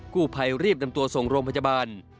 กู้ภัยรีบนำตัวส่งโรงพยาบาล